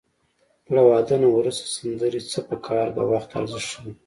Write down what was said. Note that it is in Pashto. له واده نه وروسته سندرې څه په کار د وخت ارزښت ښيي